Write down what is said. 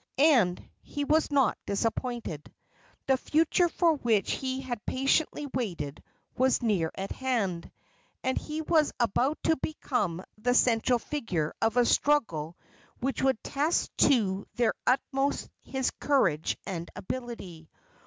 And he was not disappointed. The future for which he had patiently waited was near at hand, and he was about to become the central figure of a struggle which would test to their utmost his courage and ability.